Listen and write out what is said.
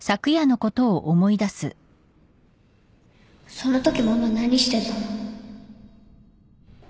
そのときママ何してたの？